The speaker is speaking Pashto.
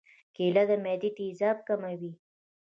کېله د معدې تیزاب کموي.